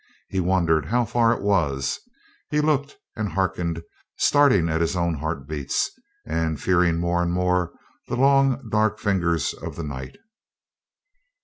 He wondered how far it was; he looked and harkened, starting at his own heartbeats, and fearing more and more the long dark fingers of the night.